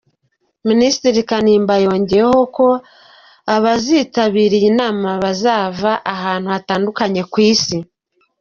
Minisitiri Kanimba yongeyeho ko abazitabira iyi nama bazava ahantu hatandukanye ku Isi.